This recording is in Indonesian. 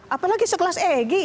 apalagi sekelas egy